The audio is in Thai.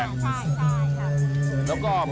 เป็นคนจีนแจ้จิ๋ว